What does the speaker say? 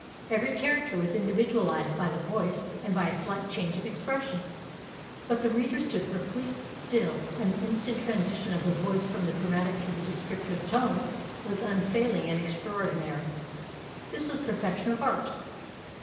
Every character was individualized by the voice and by a slight change of expression. But the reader stood perfectly still, and the instant transition of the voice from the dramatic to the descriptive tone was unfailing and extraordinary. This was perfection of art.